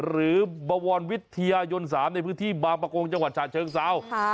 หรือบวรวิทยายน๓ในพื้นที่บางประกงจังหวัดฉะเชิงเซา